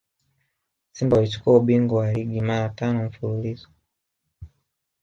simba walichukua ubingwa wa ligi mara tano mfululizo